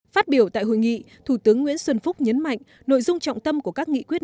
phát biểu tại hội nghị thủ tướng nguyễn xuân phúc nhấn mạnh nội dung trọng tâm của các nghị quyết